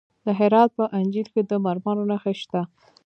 د هرات په انجیل کې د مرمرو نښې شته.